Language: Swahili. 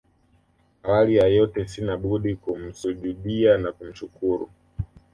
Awali ya yote sina budi kumsujudiya na kumshukuru